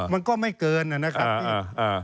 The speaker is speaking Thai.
มันก็ไม่เกินนะครับพี่